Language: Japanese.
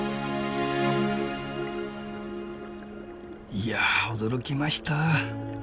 いやぁ驚きました。